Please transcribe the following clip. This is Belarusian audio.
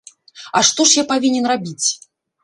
А што ж я павінен рабіць?